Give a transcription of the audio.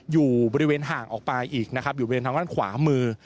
อยู่บริเวณห่างออกไปอีกนะครับอยู่บริเวณทางด้านขวามือ